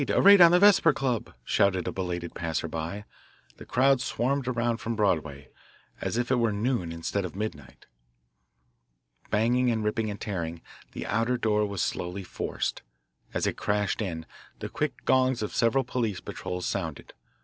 A raid on the Vesper Club!" shouted a belated passer by. The crowd swarmed around from Broadway, as if it were noon instead of midnight. Banging and ripping and tearing, the outer door was slowly forced. As it crashed in, the quick gongs of several police patrols sounded.